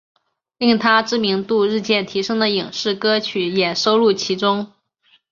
令她知名度日渐提升的影视歌曲也收录其中。